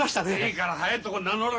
いいから早いとこ名乗れ！